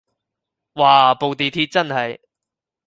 嘩部地鐵真係